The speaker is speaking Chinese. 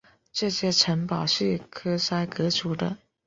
这些城堡是克塞格族的。